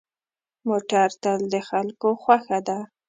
موټر تل د خلکو خوښه ده.